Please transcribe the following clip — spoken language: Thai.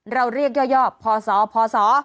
เราเรียกย่อพศพศ